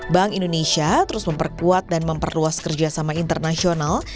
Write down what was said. bank indonesia terus memperkuat dan memperluas kerjasama internasional